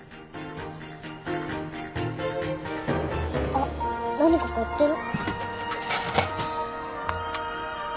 あっ何か買ってる。